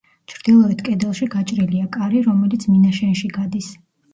ჩრდილოეთ კედელში გაჭრილია კარი, რომელიც მინაშენში გადის.